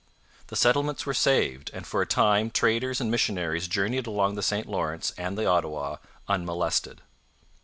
The settlements were saved, and for a time traders and missionaries journeyed along the St Lawrence and the Ottawa unmolested.